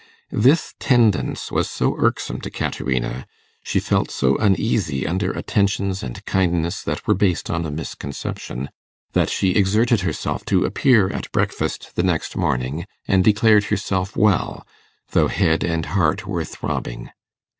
This tendance was so irksome to Caterina, she felt so uneasy under attentions and kindness that were based on a misconception, that she exerted herself to appear at breakfast the next morning, and declared herself well, though head and heart were throbbing.